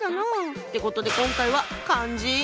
ってことで今回は「漢字」。